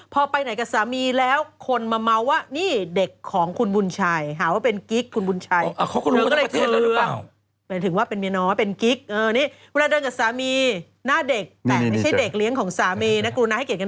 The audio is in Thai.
พีคสุดยังมีคนแอบเห็นว่าท็อปนักเศรษฐ์ที่เคยตกเป็นข่าว